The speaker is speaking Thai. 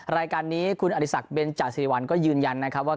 รายการนี้คุณอริสักเบนจาสิริวัลก็ยืนยันนะครับว่า